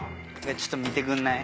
ちょっと見てくんない？